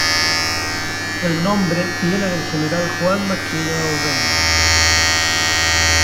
El nombre viene del General Juan Mackenna O’Reilly.